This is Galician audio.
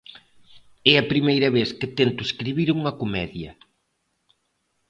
É a primeira vez que tento escribir unha comedia.